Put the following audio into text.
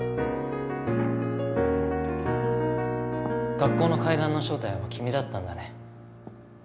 学校の怪談の正体は君だったんだね。